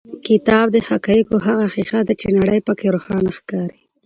کتاب د حقایقو هغه ښیښه ده چې نړۍ په کې روښانه ښکاري.